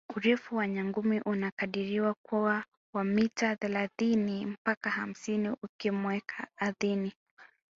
Urefu wa nyangumi unakadiriwa kuwa wa mita thelathini mpaka hamsini ukimuweka ardhini